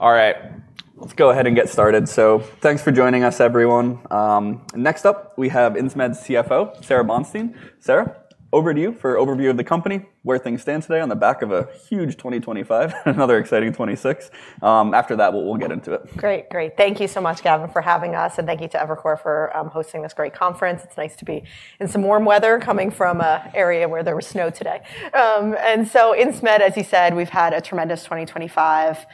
All right. Let's go ahead and get started. Thanks for joining us, everyone. Next up, we have Insmed's CFO, Sara Bonstein. Sara, over to you for an overview of the company, where things stand today on the back of a huge 2025, another exciting 2026. After that, we'll get into it. Great. Great. Thank you so much, Gavin, for having us. Thank you to Evercore for hosting this great conference. It's nice to be in some warm weather coming from an area where there was snow today. Insmed, as you said, we've had a tremendous 2025.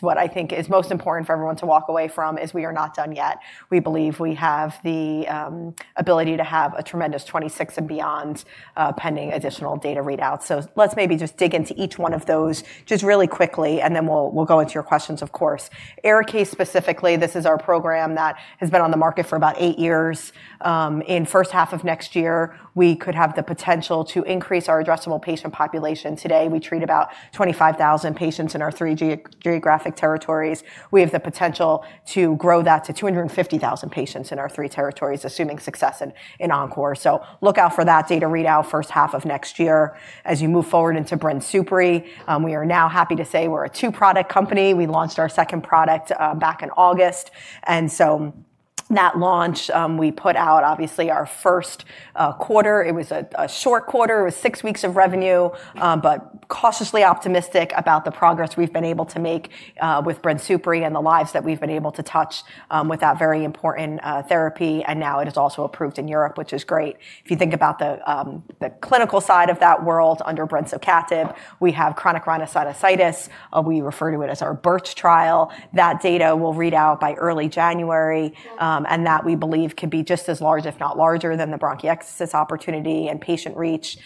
What I think is most important for everyone to walk away from is we are not done yet. We believe we have the ability to have a tremendous 2026 and beyond pending additional data readouts. Let's maybe just dig into each one of those just really quickly, and then we'll go into your questions, of course. Arikayce specifically, this is our program that has been on the market for about eight years. In the first half of next year, we could have the potential to increase our addressable patient population. Today, we treat about 25,000 patients in our three geographic territories. We have the potential to grow that to 250,000 patients in our three territories, assuming success in Encore. Look out for that data readout first half of next year as you move forward into Brenzavvy. We are now happy to say we're a two-product company. We launched our second product back in August. That launch, we put out obviously our first quarter. It was a short quarter. It was six weeks of revenue, but cautiously optimistic about the progress we've been able to make with Brenzavvy and the lives that we've been able to touch with that very important therapy. It is also approved in Europe, which is great. If you think about the clinical side of that world under Brensocatib, we have chronic rhinosinusitis. We refer to it as our Birch trial. That data will read out by early January, and that we believe can be just as large, if not larger, than the bronchiectasis opportunity and patient reach.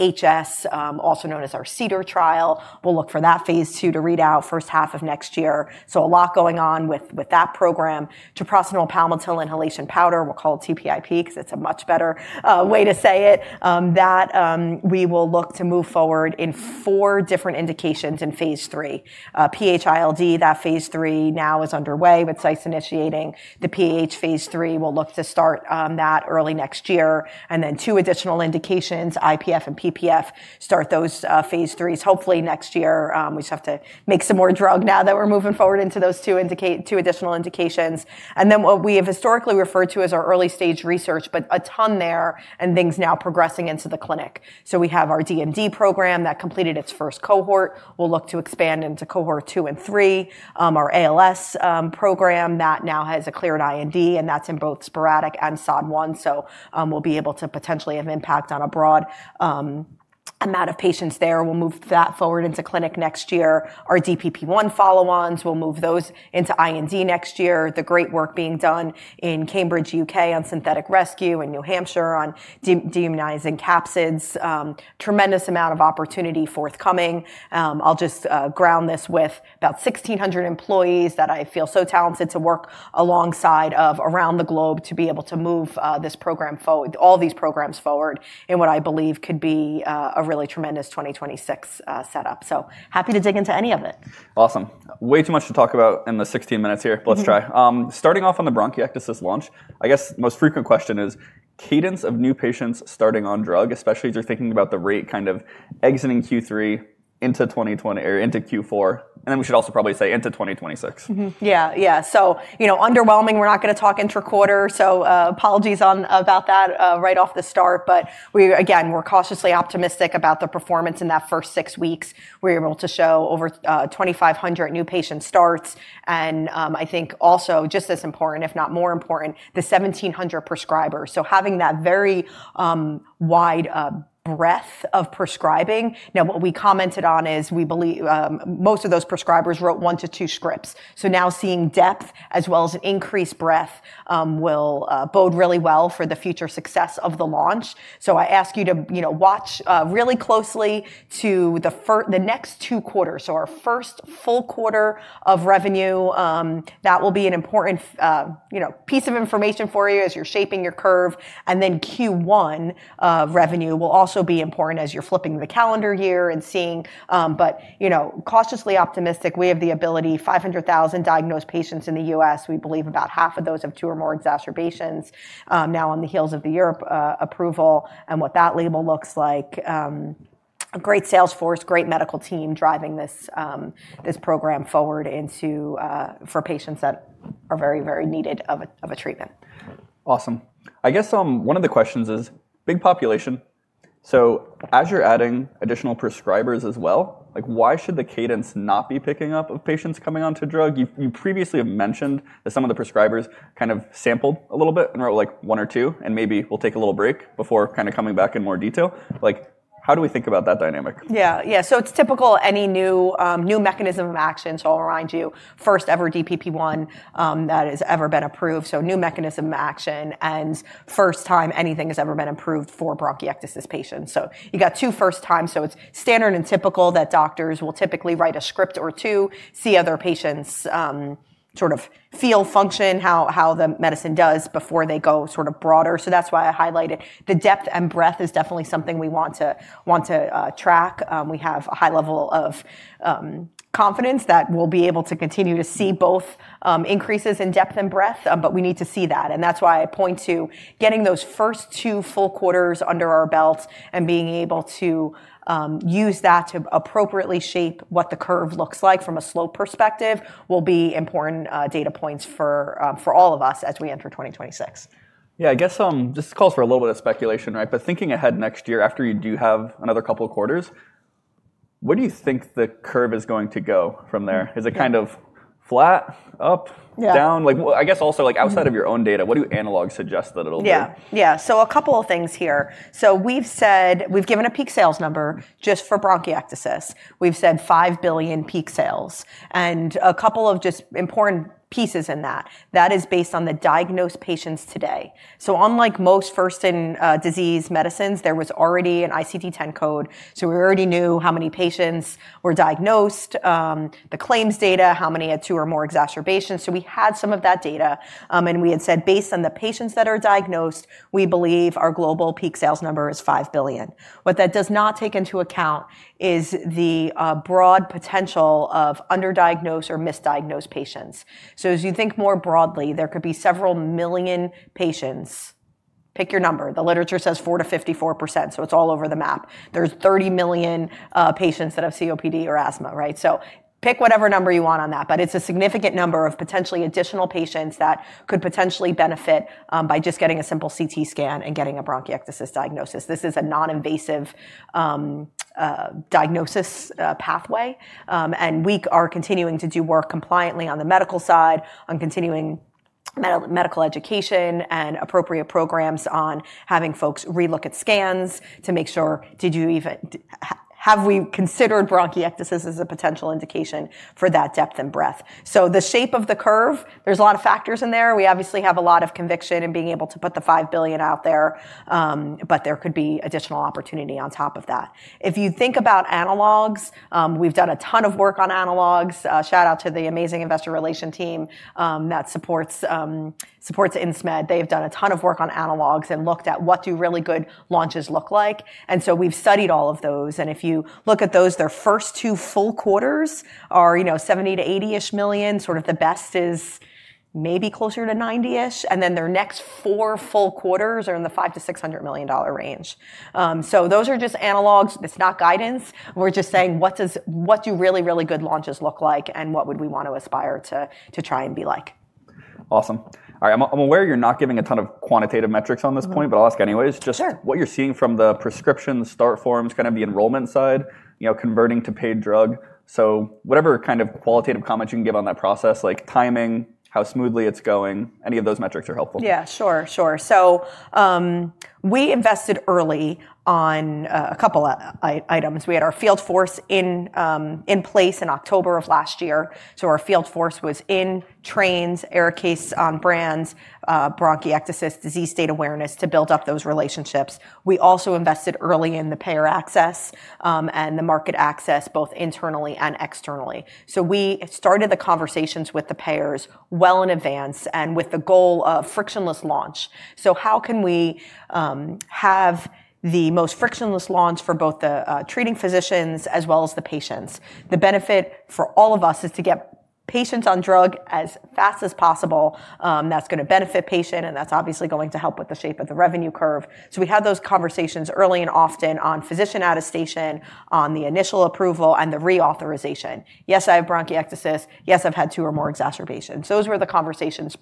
HS, also known as our Cedar trial, we'll look for that phase two to read out first half of next year. A lot going on with that program. Reprostinil palmitil inhalation powder, we'll call it TPIP because it's a much better way to say it. That we will look to move forward in four different indications in phase three. PH-ILD, that phase three now is underway with sites initiating the PH phase three. We'll look to start that early next year. Two additional indications, IPF and PPF, start those phase threes hopefully next year. We just have to make some more drug now that we're moving forward into those two additional indications. What we have historically referred to as our early stage research, but a ton there and things now progressing into the clinic. We have our DMD program that completed its first cohort. We'll look to expand into cohort two and three, our ALS program that now has a cleared IND, and that's in both sporadic and SOD1. We'll be able to potentially have impact on a broad amount of patients there. We'll move that forward into clinic next year. Our DPP1 follow-ons, we'll move those into IND next year. The great work being done in Cambridge, UK, on synthetic rescue in New Hampshire on deimmunizing capsids. Tremendous amount of opportunity forthcoming. I'll just ground this with about 1,600 employees that I feel so talented to work alongside of around the globe to be able to move this program forward, all these programs forward in what I believe could be a really tremendous 2026 setup. Happy to dig into any of it. Awesome. Way too much to talk about in the 16 minutes here, but let's try. Starting off on the bronchiectasis launch, I guess most frequent question is cadence of new patients starting on drug, especially as you're thinking about the rate kind of exiting Q3 into Q4, and then we should also probably say into 2026. Yeah. Yeah. So underwhelming, we're not going to talk interquarter. Apologies about that right off the start. Again, we're cautiously optimistic about the performance in that first six weeks. We're able to show over 2,500 new patient starts. I think also just as important, if not more important, the 1,700 prescribers. Having that very wide breadth of prescribing. What we commented on is we believe most of those prescribers wrote one to two scripts. Now seeing depth as well as an increased breadth will bode really well for the future success of the launch. I ask you to watch really closely to the next two quarters. Our first full quarter of revenue, that will be an important piece of information for you as you're shaping your curve. Q1 revenue will also be important as you're flipping the calendar year and seeing. Cautiously optimistic, we have the ability, 500,000 diagnosed patients in the US. We believe about half of those have two or more exacerbations now on the heels of the Europe approval and what that label looks like. A great salesforce, great medical team driving this program forward for patients that are very, very needed of a treatment. Awesome. I guess one of the questions is big population. As you're adding additional prescribers as well, why should the cadence not be picking up of patients coming onto drug? You previously have mentioned that some of the prescribers kind of sampled a little bit and wrote like one or two, and maybe will take a little break before kind of coming back in more detail. How do we think about that dynamic? Yeah. Yeah. It's typical any new mechanism of action, so I'll remind you, first ever DPP1 that has ever been approved. New mechanism of action and first time anything has ever been approved for bronchiectasis patients. You got two first times. It's standard and typical that doctors will typically write a script or two, see other patients sort of feel function, how the medicine does before they go sort of broader. That's why I highlighted the depth and breadth is definitely something we want to track. We have a high level of confidence that we'll be able to continue to see both increases in depth and breadth, but we need to see that. That is why I point to getting those first two full quarters under our belt and being able to use that to appropriately shape what the curve looks like from a slope perspective will be important data points for all of us as we enter 2026. Yeah. I guess this calls for a little bit of speculation, right? But thinking ahead next year after you do have another couple of quarters, where do you think the curve is going to go from there? Is it kind of flat, up, down? I guess also outside of your own data, what do analogues suggest that it'll be? Yeah. Yeah. A couple of things here. We've said we've given a peak sales number just for bronchiectasis. We've said $5 billion peak sales. A couple of just important pieces in that, that is based on the diagnosed patients today. Unlike most first-in-disease medicines, there was already an ICD-10 code. We already knew how many patients were diagnosed, the claims data, how many had two or more exacerbations. We had some of that data. We had said based on the patients that are diagnosed, we believe our global peak sales number is $5 billion. What that does not take into account is the broad potential of underdiagnosed or misdiagnosed patients. As you think more broadly, there could be several million patients. Pick your number. The literature says 4 to 54%. It's all over the map. There's 30 million patients that have COPD or asthma, right? Pick whatever number you want on that. It is a significant number of potentially additional patients that could potentially benefit by just getting a simple CT scan and getting a bronchiectasis diagnosis. This is a non-invasive diagnosis pathway. We are continuing to do work compliantly on the medical side, on continuing medical education and appropriate programs on having folks relook at scans to make sure, did you even have we considered bronchiectasis as a potential indication for that depth and breadth. The shape of the curve, there's a lot of factors in there. We obviously have a lot of conviction in being able to put the $5 billion out there, but there could be additional opportunity on top of that. If you think about analogs, we've done a ton of work on analogs. Shout out to the amazing investor relation team that supports Insmed. They've done a ton of work on analogs and looked at what do really good launches look like. We've studied all of those. If you look at those, their first two full quarters are $70 to $80 million-ish. The best is maybe closer to $90 million-ish. Their next four full quarters are in the $500 to $600 million range. Those are just analogs. It's not guidance. We're just saying what do really, really good launches look like and what would we want to aspire to try and be like. Awesome. All right. I'm aware you're not giving a ton of quantitative metrics on this point, but I'll ask anyways. Just what you're seeing from the prescription start forms, kind of the enrollment side, converting to paid drug. Whatever kind of qualitative comments you can give on that process, like timing, how smoothly it's going, any of those metrics are helpful. Yeah, sure. Sure. We invested early on a couple of items. We had our field force in place in October of last year. Our field force was in trains, Arikayce is on brands, bronchiectasis, disease state awareness to build up those relationships. We also invested early in the payer access and the market access both internally and externally. We started the conversations with the payers well in advance with the goal of frictionless launch. How can we have the most frictionless launch for both the treating physicians as well as the patients? The benefit for all of us is to get patients on drug as fast as possible. That is going to benefit patient, and that is obviously going to help with the shape of the revenue curve. We had those conversations early and often on physician attestation, on the initial approval, and the reauthorization. Yes, I have bronchiectasis. Yes, I've had two or more exacerbations. Those were the conversations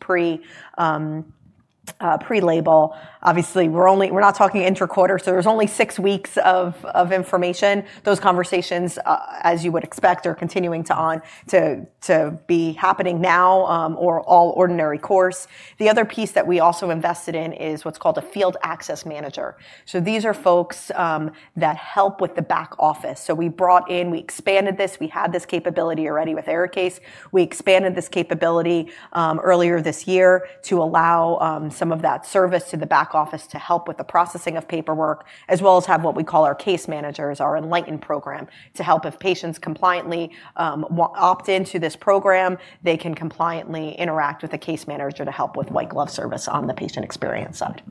pre-label. Obviously, we're not talking interquarter. There's only six weeks of information. Those conversations, as you would expect, are continuing to be happening now or all ordinary course. The other piece that we also invested in is what's called a field access manager. These are folks that help with the back office. We brought in, we expanded this. We had this capability already with Arikayce. We expanded this capability earlier this year to allow some of that service to the back office to help with the processing of paperwork, as well as have what we call our case managers, our enlightened program to help if patients compliantly opt into this program, they can compliantly interact with a case manager to help with white glove service on the patient experience side.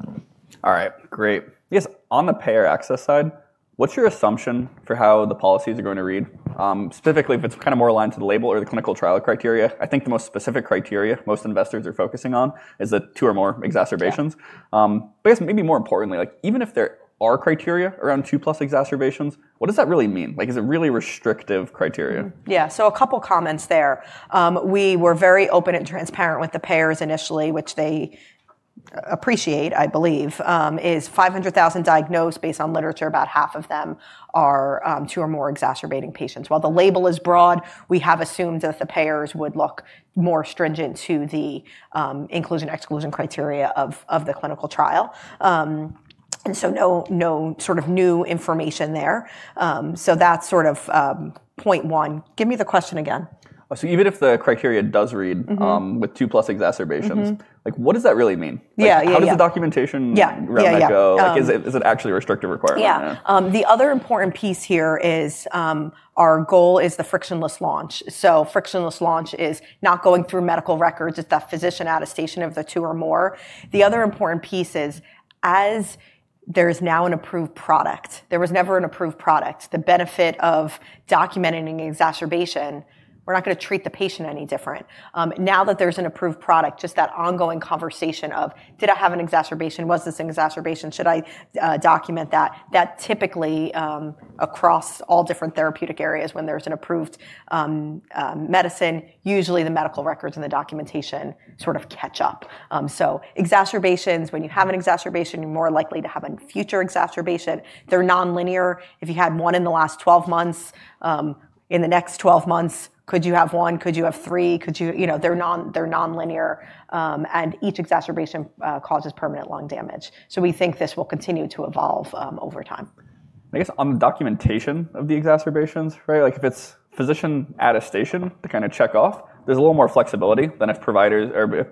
All right. Great. I guess on the payer access side, what's your assumption for how the policies are going to read, specifically if it's kind of more aligned to the label or the clinical trial criteria? I think the most specific criteria most investors are focusing on is that two or more exacerbations. I guess maybe more importantly, even if there are criteria around two plus exacerbations, what does that really mean? Is it really restrictive criteria? Yeah. A couple of comments there. We were very open and transparent with the payers initially, which they appreciate. I believe it is 500,000 diagnosed based on literature, about half of them are two or more exacerbating patients. While the label is broad, we have assumed that the payers would look more stringent to the inclusion-exclusion criteria of the clinical trial. No sort of new information there. That is point one. Give me the question again. Even if the criteria does read with two plus exacerbations, what does that really mean? How does the documentation run that go? Is it actually a restrictive requirement? Yeah. The other important piece here is our goal is the frictionless launch. Frictionless launch is not going through medical records. It's that physician attestation of the two or more. The other important piece is as there is now an approved product, there was never an approved product. The benefit of documenting an exacerbation, we're not going to treat the patient any different. Now that there's an approved product, just that ongoing conversation of, did I have an exacerbation? Was this an exacerbation? Should I document that? That typically across all different therapeutic areas when there's an approved medicine, usually the medical records and the documentation sort of catch up. Exacerbations, when you have an exacerbation, you're more likely to have a future exacerbation. They're nonlinear. If you had one in the last 12 months, in the next 12 months, could you have one? Could you have three? They're nonlinear. Each exacerbation causes permanent lung damage. We think this will continue to evolve over time. I guess on the documentation of the exacerbations, right? If it's physician attestation to kind of check off, there's a little more flexibility than if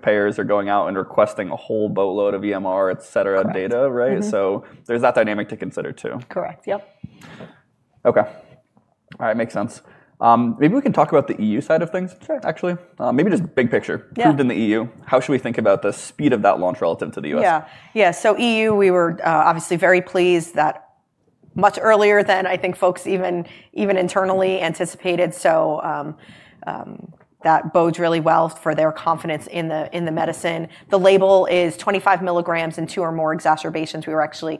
payers are going out and requesting a whole boatload of EMR, et cetera, data, right? There is that dynamic to consider too. Correct. Yep. Okay. All right. Makes sense. Maybe we can talk about the EU side of things, actually. Maybe just big picture. Who's in the EU? How should we think about the speed of that launch relative to the US.? Yeah. Yeah. EU, we were obviously very pleased that much earlier than I think folks even internally anticipated. That bodes really well for their confidence in the medicine. The label is 25 milligrams and two or more exacerbations. We were actually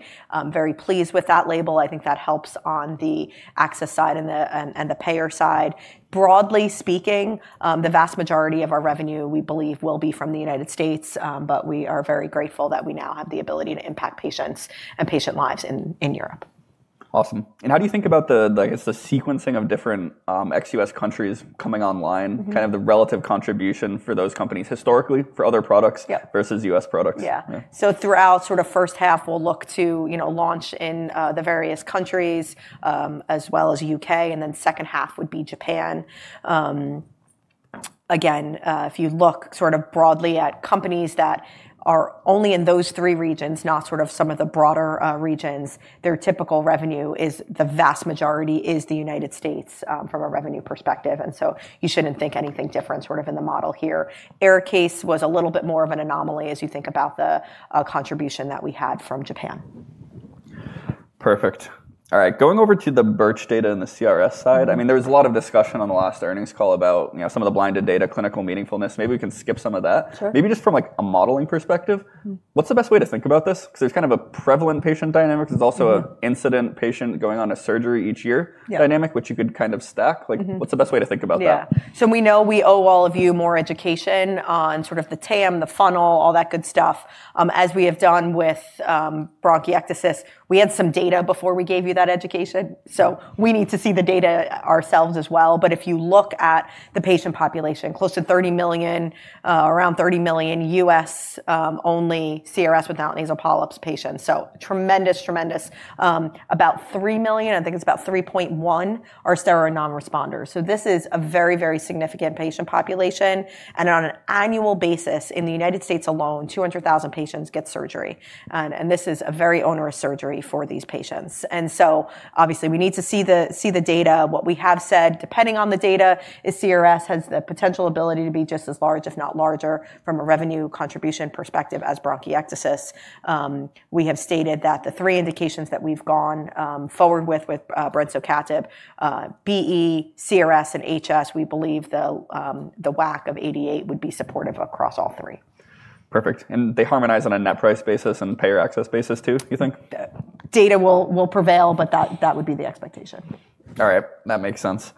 very pleased with that label. I think that helps on the access side and the payer side. Broadly speaking, the vast majority of our revenue we believe will be from the United States, but we are very grateful that we now have the ability to impact patients and patient lives in Europe. Awesome. How do you think about the, I guess, the sequencing of different ex-US. countries coming online, kind of the relative contribution for those companies historically for other products versus US. products? Yeah. Throughout sort of first half, we'll look to launch in the various countries as well as the UK, and then second half would be Japan. Again, if you look sort of broadly at companies that are only in those three regions, not sort of some of the broader regions, their typical revenue is the vast majority is the United States from a revenue perspective. You shouldn't think anything different sort of in the model here. Arikayce was a little bit more of an anomaly as you think about the contribution that we had from Japan. Perfect. All right. Going over to the Birch data and the CRS side. I mean, there was a lot of discussion on the last earnings call about some of the blinded data, clinical meaningfulness. Maybe we can skip some of that. Maybe just from a modeling perspective, what's the best way to think about this? Because there's kind of a prevalent patient dynamic. There's also an incident patient going on a surgery each year dynamic, which you could kind of stack. What's the best way to think about that? Yeah. We know we owe all of you more education on sort of the TAM, the funnel, all that good stuff, as we have done with bronchiectasis. We had some data before we gave you that education. We need to see the data ourselves as well. If you look at the patient population, close to 30 million, around 30 million US.-only CRS without nasal polyps patients. Tremendous, tremendous. About 3 million, I think it's about 3.1, are steroid non-responders. This is a very, very significant patient population. On an annual basis in the United States alone, 200,000 patients get surgery. This is a very onerous surgery for these patients. Obviously we need to see the data. What we have said, depending on the data, is CRS has the potential ability to be just as large, if not larger, from a revenue contribution perspective as bronchiectasis. We have stated that the three indications that we've gone forward with, with Brensocatib, BE, CRS, and HS, we believe the WAC of $88,000 would be supportive across all three. Perfect. They harmonize on a net price basis and payer access basis too, you think? Data will prevail, but that would be the expectation. All right. That makes sense.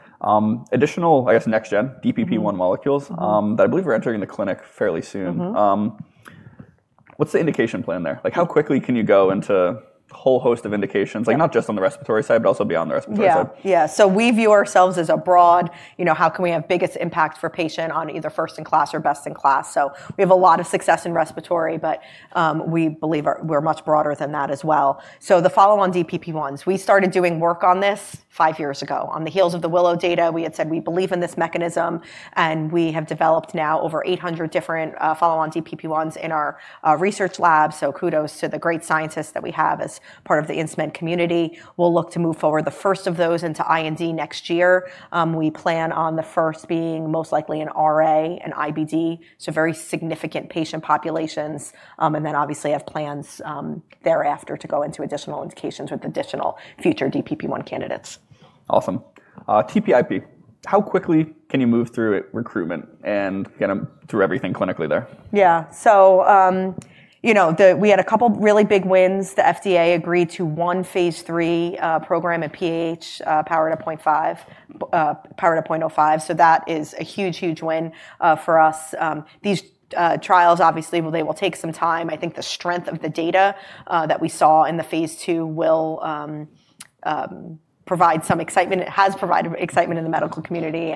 Additional, I guess, next-gen DPP1 molecules that I believe are entering the clinic fairly soon. What's the indication plan there? How quickly can you go into a whole host of indications, not just on the respiratory side, but also beyond the respiratory side? Yeah. Yeah. We view ourselves as a broad, how can we have biggest impact for patient on either first-in-class or best-in-class? We have a lot of success in respiratory, but we believe we're much broader than that as well. The follow-on DPP1s, we started doing work on this five years ago. On the heels of the Willow data, we had said we believe in this mechanism. We have developed now over 800 different follow-on DPP1s in our research lab. Kudos to the great scientists that we have as part of the Insmed community. We'll look to move forward the first of those into IND next year. We plan on the first being most likely in RA, in IBD, so very significant patient populations. Obviously have plans thereafter to go into additional indications with additional future DPP1 candidates. Awesome. TPIP, how quickly can you move through recruitment and kind of through everything clinically there? Yeah. We had a couple of really big wins. The FDA agreed to one phase III program at PAH, powered at 0.5, powered at 0.05. That is a huge, huge win for us. These trials, obviously, will take some time. I think the strength of the data that we saw in the phase II will provide some excitement. It has provided excitement in the medical community.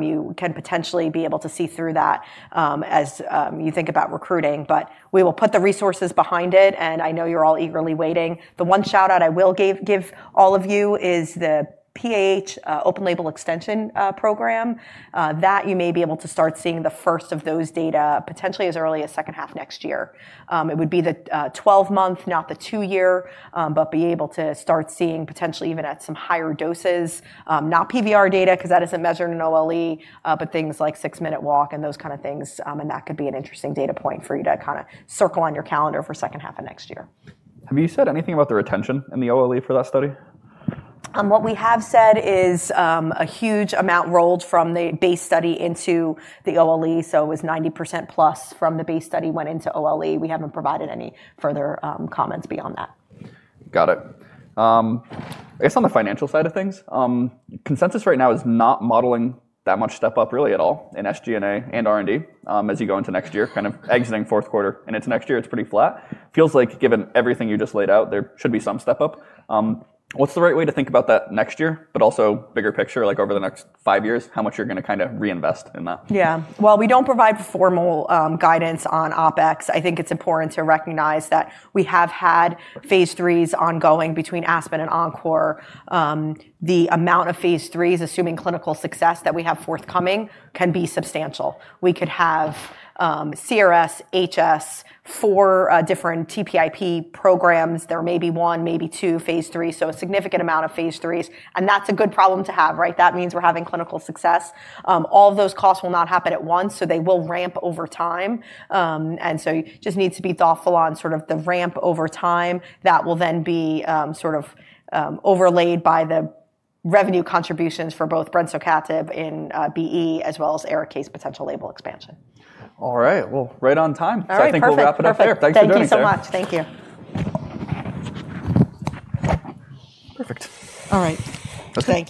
You can potentially be able to see through that as you think about recruiting. We will put the resources behind it. I know you're all eagerly waiting. The one shout-out I will give all of you is the PAH open-label extension program. You may be able to start seeing the first of those data potentially as early as second half next year. It would be the 12-month, not the two-year, but be able to start seeing potentially even at some higher doses. Not PVR data because that isn't measured in OLE, but things like six-minute walk and those kind of things. That could be an interesting data point for you to kind of circle on your calendar for second half of next year. Have you said anything about the retention in the OLE for that study? What we have said is a huge amount rolled from the base study into the OLE. It was 90% plus from the base study went into OLE. We have not provided any further comments beyond that. Got it. I guess on the financial side of things, consensus right now is not modeling that much step up really at all in SG&A and R&D as you go into next year, kind of exiting fourth quarter. Into next year, it's pretty flat. Feels like given everything you just laid out, there should be some step up. What's the right way to think about that next year, but also bigger picture, like over the next five years, how much you're going to kind of reinvest in that? Yeah. We do not provide formal guidance on OpEx. I think it's important to recognize that we have had phase threes ongoing between Aspen and Encore. The amount of phase threes, assuming clinical success that we have forthcoming, can be substantial. We could have CRS, HS, four different TPIP programs. There may be one, maybe two phase threes. A significant amount of phase threes. That is a good problem to have, right? That means we're having clinical success. All of those costs will not happen at once, so they will ramp over time. It just needs to be thoughtful on sort of the ramp over time that will then be sort of overlaid by the revenue contributions for both Brensocatib in BE as well as Arikayce's potential label expansion. All right. Right on time. I think we'll wrap it up there. Thanks for doing this. Thank you so much. Thank you.